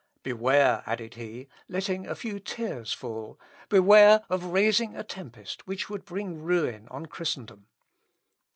"Beware," added he, letting a few tears fall, "beware of raising a tempest, which would bring ruin on Christendom."